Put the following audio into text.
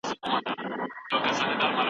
آیا باغوانان په صحرا کي اوسیږي؟